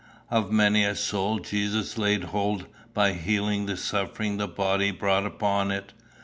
Of many a soul Jesus laid hold by healing the suffering the body brought upon it.